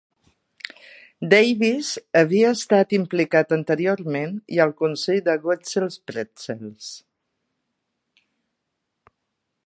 Davis havia estat implicat anteriorment i al consell de Wetzel's Pretzels.